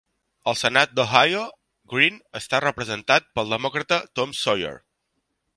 Al senat d'Ohio, Green està representat pel demòcrata Tom Sawyer.